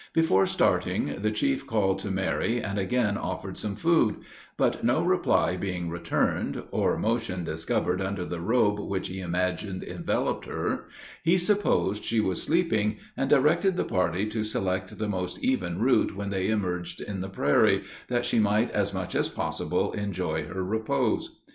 Before starting, the chief called to Mary, and again offered some food; but no reply being returned, or motion discovered under the robe which he imagined enveloped her, he supposed she was sleeping, and directed the party to select the most even route when they emerged in the prairie, that she might as much as possible enjoy her repose.